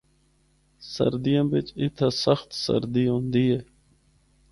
سردیاں بچ اِتھا سخت سردی ہوندی ہے۔